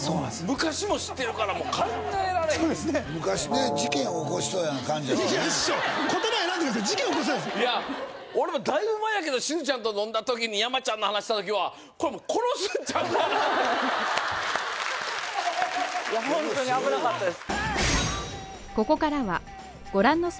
昔も知ってるから考えられへんそうですねいや俺もだいぶ前やけどしずちゃんと飲んだ時にやまちゃんの話した時はこれもう殺すんちゃうかなっていやホントに危なかったです